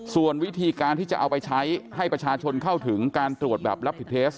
ส่วนวิธีการที่จะเอาไปใช้ให้ประชาชนเข้าถึงการตรวจแบบรับผิดเทส